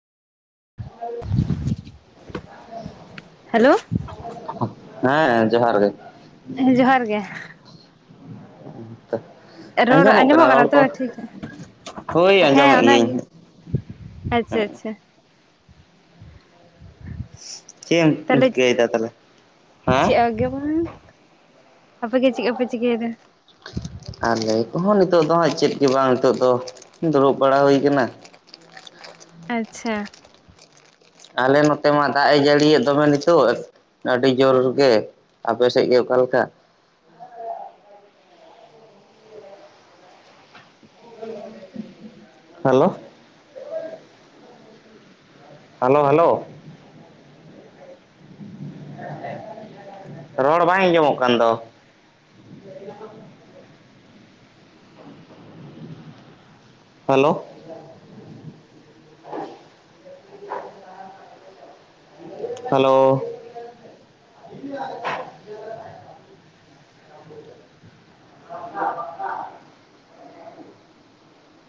[inaudible] Hello ᱦᱮᱸ ᱡᱚᱦᱟᱨ ᱜᱮ ᱦᱮᱸ ᱡᱚᱦᱟᱨ ᱜᱮ ᱨᱚᱲ ᱟᱸᱡᱚᱢᱚᱜ ᱠᱟᱱᱟ ᱛᱚ ᱴᱷᱤᱠ ᱦᱳᱭ ᱦᱮᱸ ᱟᱸᱡᱚᱢᱮᱫ ᱚᱱᱟᱜᱮ ᱜᱤᱭᱟᱹᱧ ᱟᱪᱪᱷᱟ ᱟᱪᱪᱷᱟ ᱪᱮᱫ ᱮᱢ ᱛᱟᱦᱞᱮ ᱪᱤᱠᱟᱹᱭᱮᱫᱟ ᱛᱟᱦᱚᱞᱮ ᱦᱮᱸ ᱪᱮᱫ ᱜᱮ ᱵᱟᱝ ᱟᱯᱮ ᱜᱮ ᱪᱮᱫ ᱠᱚ ᱯᱮ ᱪᱤᱠᱟᱹᱭᱮᱫᱟ? ᱟᱨ ᱞᱟᱹᱭ ᱠᱚᱦᱚᱸ ᱱᱤᱛᱚᱜ ᱫᱚ ᱦᱟᱸᱜ ᱪᱮᱫ ᱜᱮ ᱵᱟᱝ ᱱᱤᱛᱚᱜ ᱫᱚ ᱫᱩᱲᱩᱵ ᱵᱟᱲᱟ ᱦᱩᱭ ᱠᱟᱱᱟ᱾ ᱟᱪᱪᱷᱟ᱾ ᱟᱞᱮ ᱱᱚᱛᱮ ᱢᱟ ᱫᱟᱜ ᱮ ᱡᱟᱹᱲᱤᱭᱮᱜ ᱫᱚᱢᱮ ᱱᱤᱛᱳᱜ ᱟᱹᱰᱤ ᱡᱳᱨᱜ ᱜᱮ ᱟᱯᱮᱥᱮᱫ ᱜᱮ ᱚᱠᱟ ᱞᱮᱠᱟ ᱦᱮᱞᱳ ᱦᱮᱞᱳ ᱦᱮᱞᱳ ᱨᱚᱲ ᱵᱟᱸᱭ ᱟᱸᱡᱚᱢᱚᱜ ᱠᱟᱱ ᱫᱚ ᱦᱮᱞᱳ ᱦᱮᱞᱳ [inaudible]